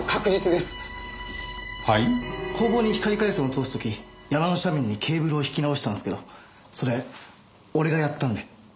工房に光回線を通す時山の斜面にケーブルを引き直したんすけどそれ俺がやったんで。